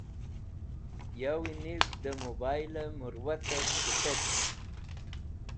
Yawi niv dẽ mẽboylẽ mẽwatẽv g̃hẽtetk.